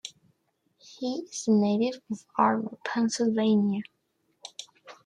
He is a native of Ardmore, Pennsylvania.